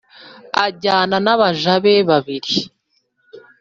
ajyana n’abaja be babiri.